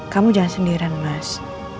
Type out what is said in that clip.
kamu jangan sendirian mas